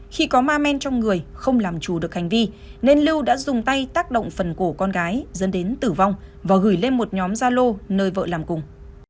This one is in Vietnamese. khi có ma men trong người không làm chủ được hành vi nên lưu đã dùng tay tác động phần cổ con gái dẫn đến tử vong và gửi lên một nhóm gia lô nơi vợ làm cùng